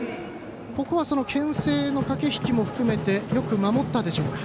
ここはけん制の駆け引きも含めてよく守ったでしょうか。